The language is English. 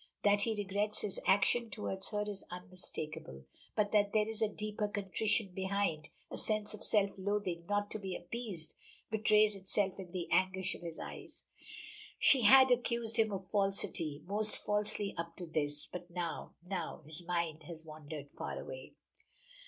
That he regrets his action toward her is unmistakable, but that there is a deeper contrition behind a sense of self loathing not to be appeased betrays itself in the anguish of his eyes. She had accused him of falsity, most falsely up to this, but now now His mind has wandered far away.